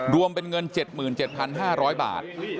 รวมเป็นเงิน๗๗๕๐๐บาท